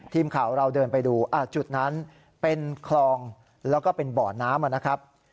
ทีมข่าวเราเดินไปดูจุดนั้นเป็นคลองแล้วก็เป็นบ่อน้ำนะครับ